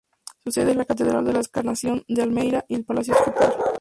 Su sede es la Catedral de la Encarnación de Almería y el Palacio Episcopal.